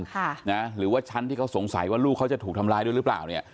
ค่ะนะหรือว่าชั้นที่เขาสงสัยว่าลูกเขาจะถูกทำร้ายด้วยหรือเปล่าเนี่ย